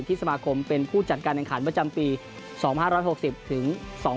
สมาคมเป็นผู้จัดการแข่งขันประจำปี๒๕๖๐ถึง๒๕๖